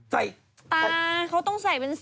ตาเขาต้องใส่เป็นสี